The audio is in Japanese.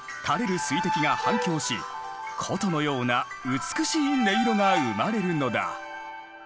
水滴が反響し琴のような美しい音色が生まれるのだ。